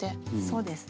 そうです。